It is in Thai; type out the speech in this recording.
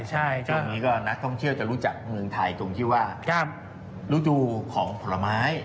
ทีนี้ก็นักท่องเที่ยวจะรู้จักมือไทยตรงที่คือฤดูของผลไม้